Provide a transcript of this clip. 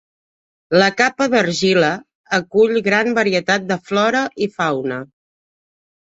La capa d'argila acull gran varietat de flora i fauna.